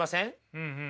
うんうん。